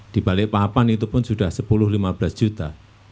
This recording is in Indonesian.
di balikpapan itu pun sudah sepuluh lima belas juta